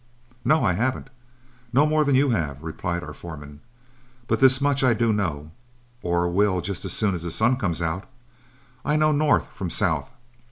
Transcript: "No, I haven't. No more than you have," replied our foreman. "But this much I do know, or will just as soon as the sun comes out: I know north from south.